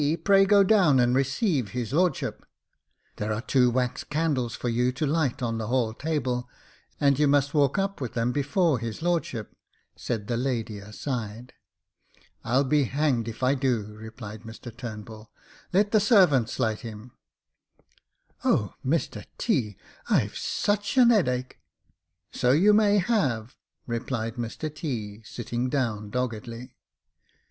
pray go down and receive his lordship." (" There are two wax candles for you to light on the hall table, and you must walk up with them before his lord ship," said the lady aside.) '* I'll be hanged if I do," replied Mr Turnbull ; "let the servants light him." " O, Mr T,, I've such an 'eadache !"So you may have," replied Mr T,, sitting down doggedly.